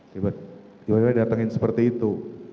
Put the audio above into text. tiba tiba datangin seperti itu